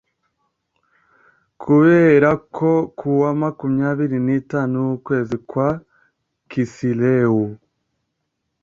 kubera ko ku wa makumyabiri n'itanu w'ukwezi kwa kisilewu